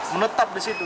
menetap di situ